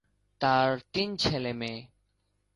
তাঁর তিন ছেলেমেয়ে।